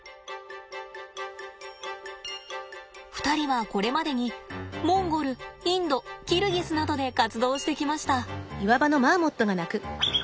２人はこれまでにモンゴルインドキルギスなどで活動してきました。